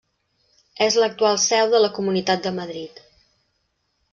És l'actual seu de la Comunitat de Madrid.